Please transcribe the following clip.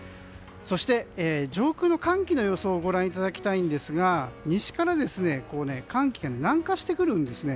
そして、上空の寒気の様子をご覧いただきたいんですが西から寒気が南下してくるんです。